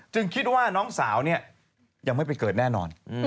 คิดว่าน้องสาวเนี่ยยังไม่ไปเกิดแน่นอน